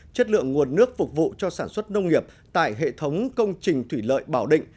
chất lượng nguồn nước phục vụ cho sản xuất nông nghiệp tại hệ thống công trình thủy lợi bảo định